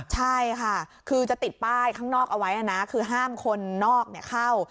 ใช่ค่ะคือจะติดป้ายข้างนอกเอาไว้นะคือห้ามคนนอกเข้า